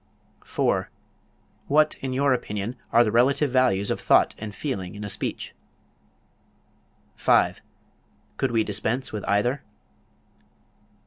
4. What in your opinion are the relative values of thought and feeling in a speech? 5. Could we dispense with either?